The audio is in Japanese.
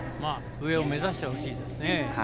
上を目指してほしいですね。